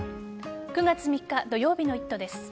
９月３日土曜日の「イット！」です。